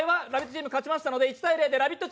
チームが勝ちましたので、１−０でラヴィット！